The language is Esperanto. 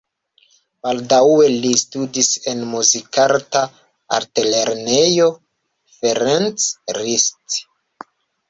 Baldaŭe li studis en Muzikarta Altlernejo Ferenc Liszt.